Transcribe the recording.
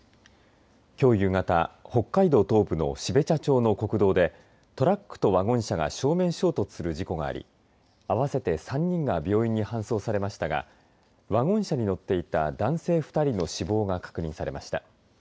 きょう夕方北海道東部の標茶町の国道でトラックとワゴン車が正面衝突する事故があり合わせて３人が病院に搬送されましたがワゴン車に乗っていた男性２人の死亡が確認されました。